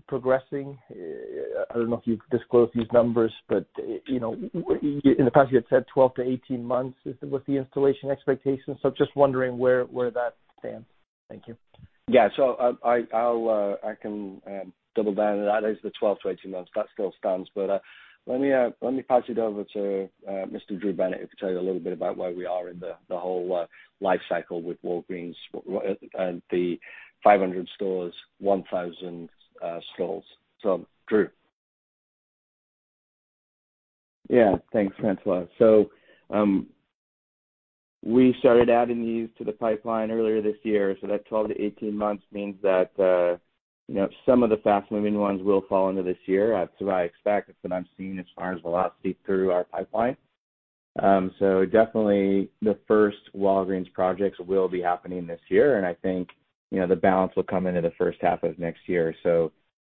progressing? I don't know if you've disclosed these numbers, but, you know, in the past you had said 12-18 months was the installation expectation. Just wondering where that stands. Thank you. Yeah. I'll double down on that. There's the 12-18 months. That still stands. I'll pass it over to Mr. Drew Bennett, who can tell you a little bit about where we are in the whole life cycle with Walgreens and the 500 stores, 1,000 stalls. Drew. Yeah. Thanks, Francois. We started adding these to the pipeline earlier this year. That 12-18 months means that, you know, some of the fast-moving ones will fall into this year. That's what I expect. That's what I'm seeing as far as velocity through our pipeline. Definitely the first Walgreens projects will be happening this year, and I think, you know, the balance will come into the first half of next year.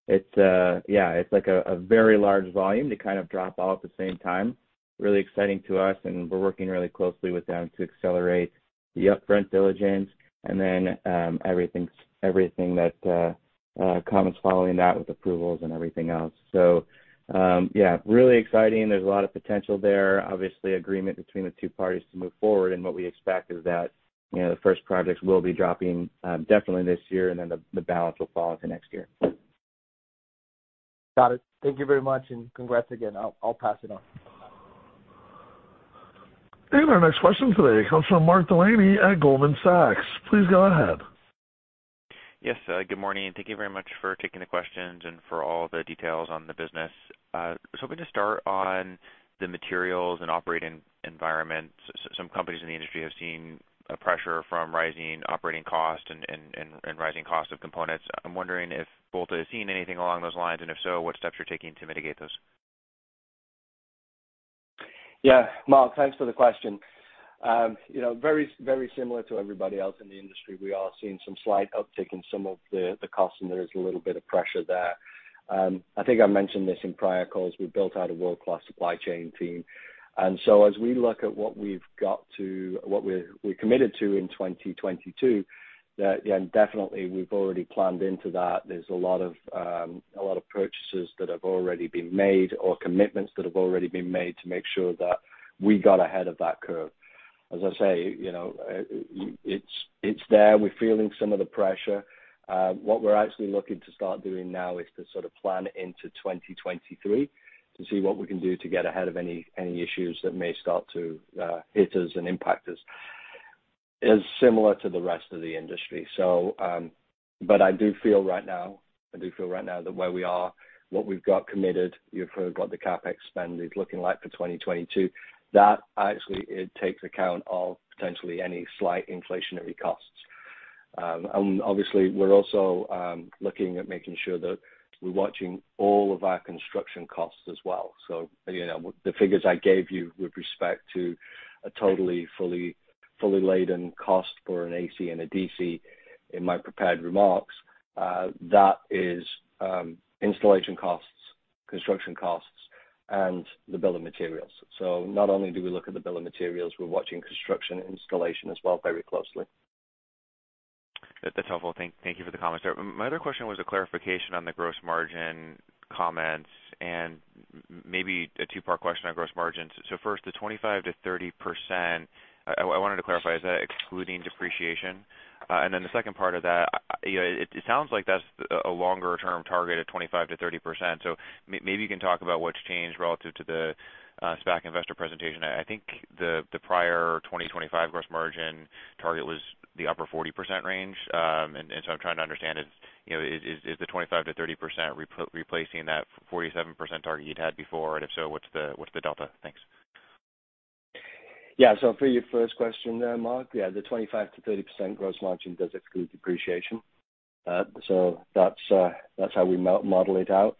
It's like a very large volume to kind of drop all at the same time. Really exciting to us, and we're working really closely with them to accelerate the upfront diligence and then everything that comes following that with approvals and everything else. Yeah, really exciting. There's a lot of potential there. Obviously, agreement between the two parties to move forward, and what we expect is that, you know, the first projects will be dropping definitely this year, and then the balance will fall into next year. Got it. Thank you very much, and congrats again. I'll pass it on. Our next question today comes from Mark Delaney at Goldman Sachs. Please go ahead. Yes. Good morning, and thank you very much for taking the questions and for all the details on the business. I'm gonna start on the materials and operating environment. Some companies in the industry have seen a pressure from rising operating costs and rising costs of components. I'm wondering if Volta is seeing anything along those lines, and if so, what steps you're taking to mitigate those. Yeah. Mark, thanks for the question. You know, very, very similar to everybody else in the industry. We are seeing some slight uptick in some of the cost, and there is a little bit of pressure there. I think I mentioned this in prior calls. We built out a world-class supply chain team. As we look at what we're committed to in 2022, that then definitely we've already planned into that. There's a lot of purchases that have already been made or commitments that have already been made to make sure that we got ahead of that curve. As I say, you know, it's there. We're feeling some of the pressure. What we're actually looking to start doing now is to sort of plan into 2023 to see what we can do to get ahead of any issues that may start to hit us and impact us. It is similar to the rest of the industry. I do feel right now that where we are, what we've got committed, you've heard what the CapEx spend is looking like for 2022. That actually it takes account of potentially any slight inflationary costs. Obviously, we're also looking at making sure that we're watching all of our construction costs as well. you know, the figures I gave you with respect to a totally, fully laden cost for an AC and a DC in my prepared remarks, that is, installation costs, construction costs, and the bill of materials. not only do we look at the bill of materials, we're watching construction and installation as well very closely. That's helpful. Thank you for the comments there. My other question was a clarification on the gross margin comments and maybe a two-part question on gross margins. First, the 25%-30%, I wanted to clarify, is that excluding depreciation? And then the second part of that, you know, it sounds like that's a longer-term target of 25%-30%. Maybe you can talk about what's changed relative to the SPAC investor presentation. I think the prior 2025 gross margin target was the upper 40% range. And so I'm trying to understand if, you know, is the 25%-30% replacing that 47% target you'd had before? And if so, what's the delta? Thanks. Yeah. For your first question there, Mark, yeah, the 25%-30% gross margin does exclude depreciation. That's how we model it out.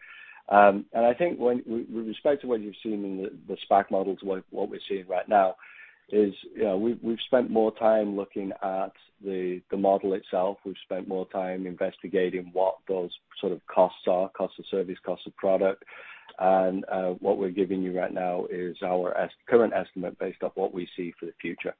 I think with respect to what you've seen in the SPAC models, what we're seeing right now is, you know, we've spent more time looking at the model itself. We've spent more time investigating what those sort of costs are, cost of service, cost of product. What we're giving you right now is our current estimate based off what we see for the future.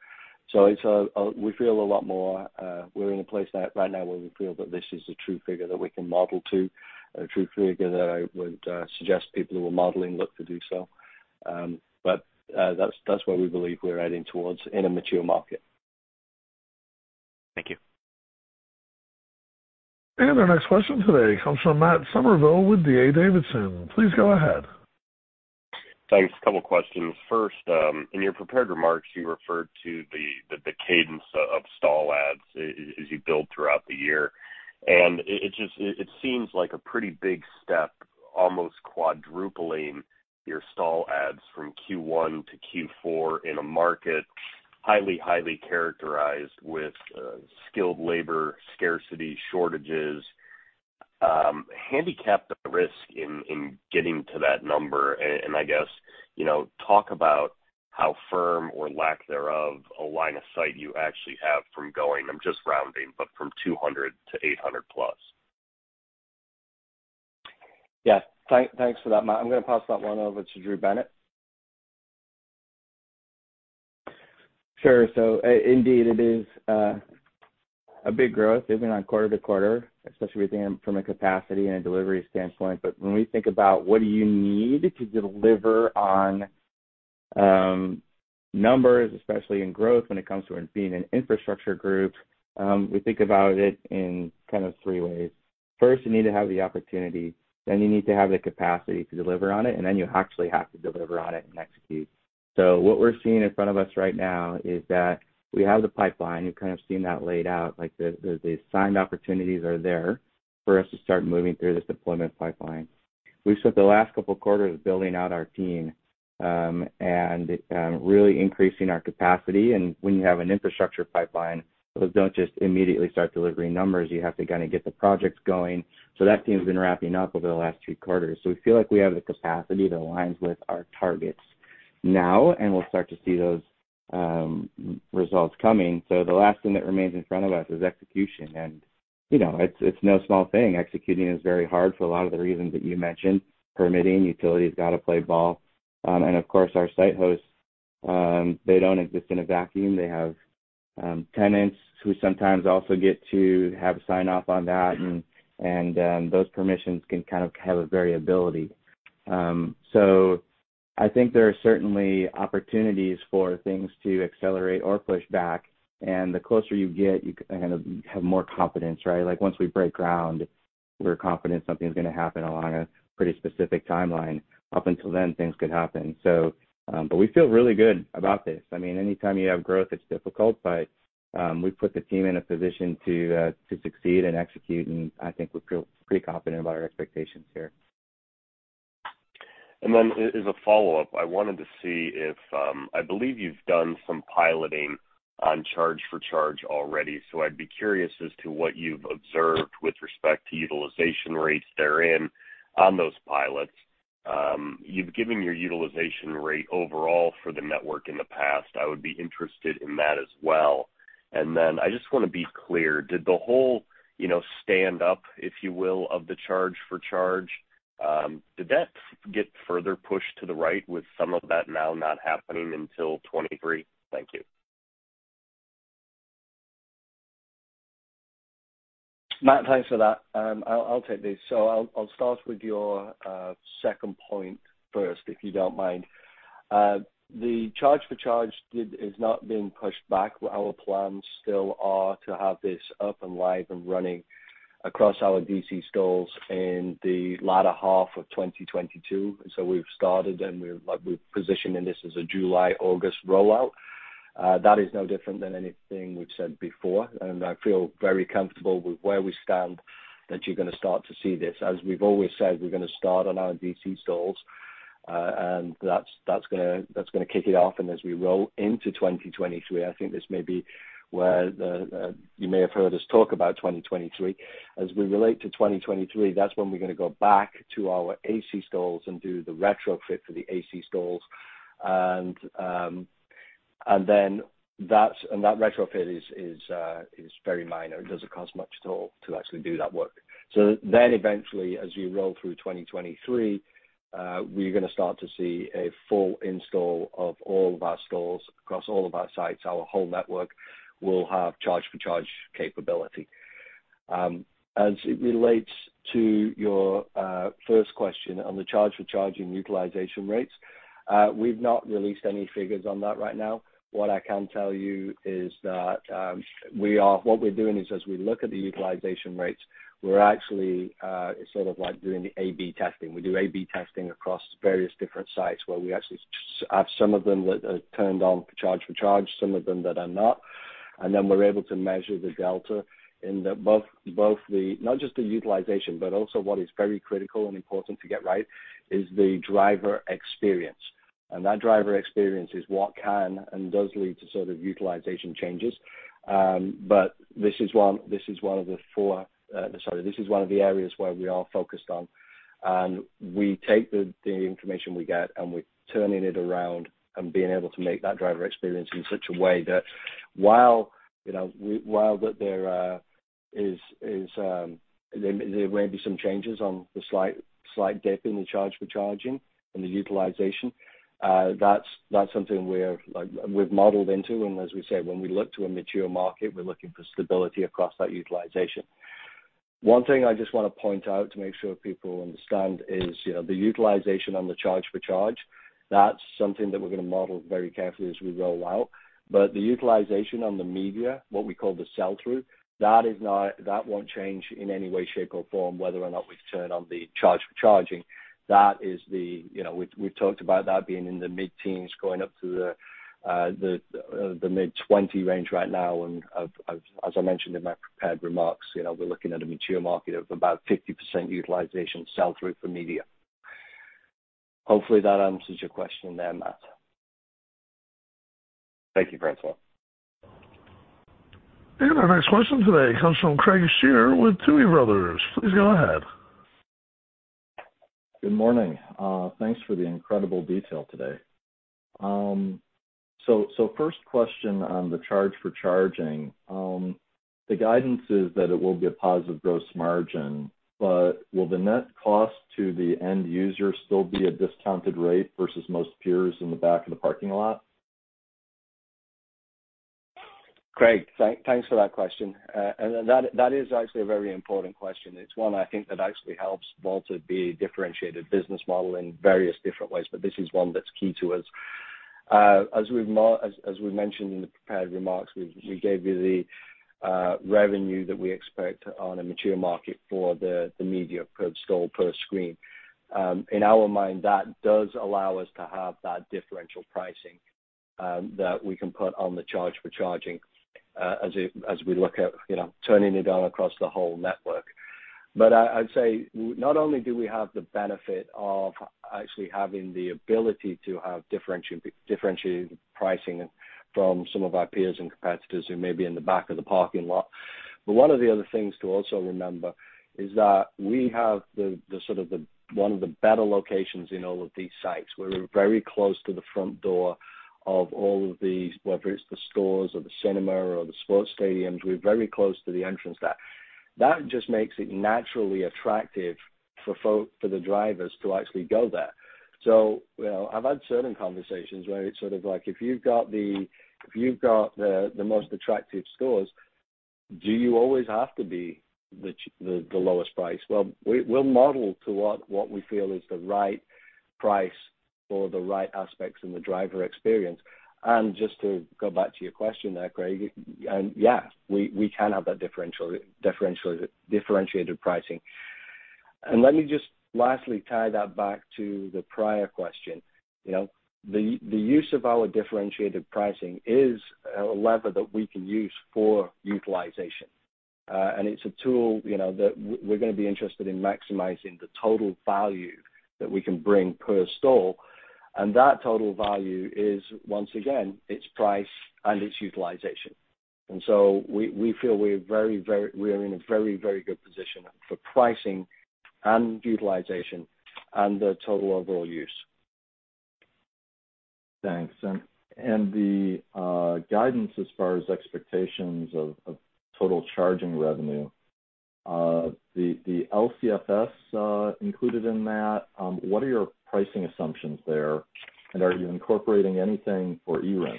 It's we feel a lot more, we're in a place that right now where we feel that this is a true figure that we can model to, a true figure that I would suggest people who are modeling look to do so. That's where we believe we're heading towards in a mature market. Thank you. Our next question today comes from Matt Summerville with D.A. Davidson. Please go ahead. Thanks. A couple questions. First, in your prepared remarks, you referred to the cadence of stall adds as you build throughout the year. It just seems like a pretty big step, almost quadrupling your stall adds from Q1 to Q4 in a market highly characterized with skilled labor scarcity, shortages. Handicap the risk in getting to that number. I guess, you know, talk about how firm or lack thereof a line of sight you actually have from going. I'm just rounding, but from 200 to 800+. Yeah. Thanks for that, Matt. I'm gonna pass that one over to Drew Bennett. Sure. Indeed, it is a big growth, even on quarter-over-quarter, especially within from a capacity and a delivery standpoint. When we think about what do you need to deliver on numbers, especially in growth when it comes to being an infrastructure group, we think about it in kind of three ways. First, you need to have the opportunity, then you need to have the capacity to deliver on it, and then you actually have to deliver on it and execute. What we're seeing in front of us right now is that we have the pipeline. You've kind of seen that laid out, like the signed opportunities are there for us to start moving through this deployment pipeline. We've spent the last couple quarters building out our team and really increasing our capacity. When you have an infrastructure pipeline, those don't just immediately start delivering numbers. You have to kinda get the projects going. That team's been ramping up over the last three quarters. We feel like we have the capacity that aligns with our targets now, and we'll start to see those results coming. The last thing that remains in front of us is execution. You know, it's no small thing. Executing is very hard for a lot of the reasons that you mentioned. Permitting, utilities gotta play ball. And of course, our site hosts, they don't exist in a vacuum. They have tenants who sometimes also get to have sign-off on that. Those permissions can kind of have a variability. I think there are certainly opportunities for things to accelerate or push back. The closer you get, you kinda have more confidence, right? Like, once we break ground, we're confident something's gonna happen along a pretty specific timeline. Up until then, things could happen. We feel really good about this. I mean, anytime you have growth, it's difficult, but we've put the team in a position to succeed and execute, and I think we feel pretty confident about our expectations here. As a follow-up, I wanted to see if I believe you've done some piloting on charge for charge already, so I'd be curious as to what you've observed with respect to utilization rates therein on those pilots. You've given your utilization rate overall for the network in the past. I would be interested in that as well. I just wanna be clear, did the whole, you know, stand up, if you will, of the charge for charge, did that get further pushed to the right with some of that now not happening until 2023? Thank you. Matt, thanks for that. I'll take this. I'll start with your second point first, if you don't mind. The charge for charge is not being pushed back. Our plans still are to have this up and live and running across our DC stalls in the latter half of 2022. We've started, and we're positioning this as a July/August rollout. That is no different than anything we've said before, and I feel very comfortable with where we stand that you're gonna start to see this. As we've always said, we're gonna start on our DC stalls, and that's gonna kick it off. As we roll into 2023, I think this may be where you may have heard us talk about 2023. As it relates to 2023, that's when we're gonna go back to our AC stalls and do the retrofit for the AC stalls. That retrofit is very minor. It doesn't cost much at all to actually do that work. Eventually, as we roll through 2023, we're gonna start to see a full install of all of our stalls across all of our sites. Our whole network will have charge for charge capability. As it relates to your first question on the charge for charging utilization rates, we've not released any figures on that right now. What I can tell you is that what we're doing is, as we look at the utilization rates, we're actually sort of like doing the A/B testing. We do A/B testing across various different sites where we actually have some of them that are turned on for charge, some of them that are not, and then we're able to measure the delta in both, not just the utilization, but also what is very critical and important to get right is the driver experience. That driver experience is what can and does lead to sort of utilization changes. This is one of the four. Sorry. This is one of the areas where we are focused on, and we take the information we get, and we're turning it around and being able to make that driver experience in such a way that while, you know, while there may be some changes on the slight dip in the charge for charging and the utilization, that's something we've modeled into. As we say, when we look to a mature market, we're looking for stability across that utilization. One thing I just wanna point out to make sure people understand is, you know, the utilization on the charge for charge, that's something that we're gonna model very carefully as we roll out. The utilization on the media, what we call the sell-through, that won't change in any way, shape, or form, whether or not we turn on the charge for charging. That is the. You know, we've talked about that being in the mid-teens, going up to the mid-20 range right now. As I mentioned in my prepared remarks, you know, we're looking at a mature market of about 50% utilization sell-through for media. Hopefully that answers your question there, Matt. Thank you, Francois. Our next question today comes from Craig Shere with Tuohy Brothers. Please go ahead. Good morning. Thanks for the incredible detail today. First question on the charge for charging. The guidance is that it will be a positive gross margin, but will the net cost to the end user still be a discounted rate versus most peers in the back of the parking lot? Craig, thanks for that question. That is actually a very important question. It's one I think that actually helps Volta be a differentiated business model in various different ways, but this is one that's key to us. As we've mentioned in the prepared remarks, we gave you the revenue that we expect on a mature market for the media per stall per screen. In our mind, that does allow us to have that differential pricing that we can put on the charge for charging, as we look at, you know, turning it on across the whole network. I'd say not only do we have the benefit of actually having the ability to have differentiated pricing from some of our peers and competitors who may be in the back of the parking lot. One of the other things to also remember is that we have the sort of one of the better locations in all of these sites, where we're very close to the front door of all of these, whether it's the stores or the cinema or the sports stadiums, we're very close to the entrance there. That just makes it naturally attractive for the drivers to actually go there. You know, I've had certain conversations where it's sort of like, if you've got the most attractive stores, do you always have to be the lowest price? Well, we'll model to what we feel is the right price for the right aspects in the driver experience. Just to go back to your question there, Craig, yes, we can have that differentiated pricing. Let me just lastly tie that back to the prior question. You know, the use of our differentiated pricing is a lever that we can use for utilization. It's a tool, you know, that we're gonna be interested in maximizing the total value that we can bring per store. That total value is once again, it's price and it's utilization. We are in a very good position for pricing and utilization and the total overall use. Thanks. The guidance as far as expectations of total charging revenue, the LCFS included in that, what are your pricing assumptions there, and are you incorporating anything for RIN?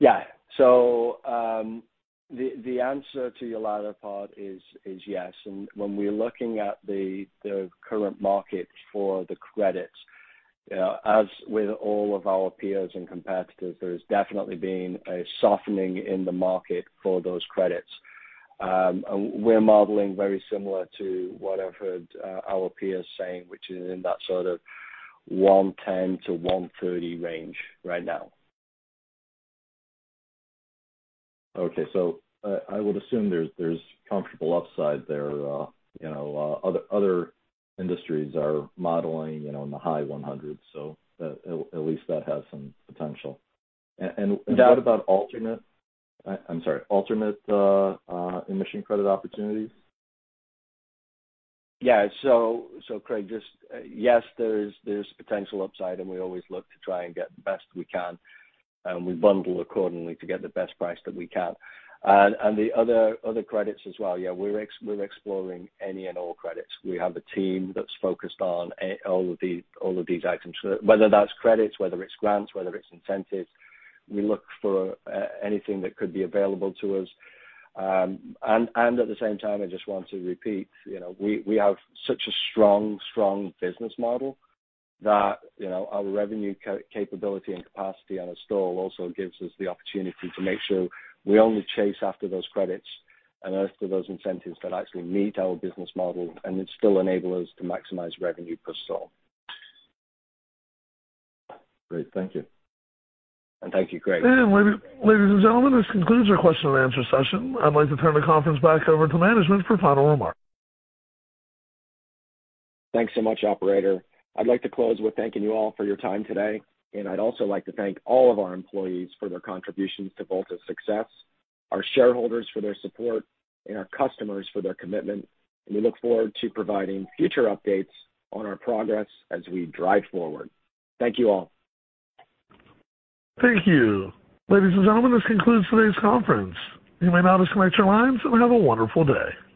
Yeah, the answer to your latter part is yes. When we are looking at the current market for the credits, as with all of our peers and competitors, there's definitely been a softening in the market for those credits. We're modeling very similar to what I've heard our peers saying, which is in that sort of 110-130 range right now. Okay. I would assume there's comfortable upside there. You know, other industries are modeling, you know, in the high 100, so at least that has some potential. Yeah. What about alternate emission credit opportunities? Yeah. Craig Shere, just yes, there's potential upside and we always look to try and get the best we can, and we bundle accordingly to get the best price that we can. And the other credits as well, yeah, we're exploring any and all credits. We have a team that's focused on all of these items, whether that's credits, whether it's grants, whether it's incentives. We look for anything that could be available to us. at the same time, I just want to repeat, you know, we have such a strong business model that, you know, our revenue capability and capacity on install also gives us the opportunity to make sure we only chase after those credits and after those incentives that actually meet our business model, and it still enable us to maximize revenue per store. Great. Thank you. Thank you, Craig Shere. Ladies and gentlemen, this concludes our question and answer session. I'd like to turn the conference back over to management for final remarks. Thanks so much, operator. I'd like to close with thanking you all for your time today, and I'd also like to thank all of our employees for their contributions to Volta's success, our shareholders for their support, and our customers for their commitment, and we look forward to providing future updates on our progress as we drive forward. Thank you all. Thank you. Ladies and gentlemen, this concludes today's conference. You may now disconnect your lines, and have a wonderful day.